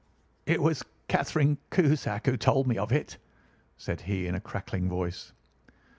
"It was Catherine Cusack who told me of it," said he in a crackling voice.